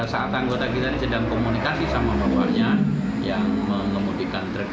saat anggota kita sedang komunikasi sama warganya yang menemudikan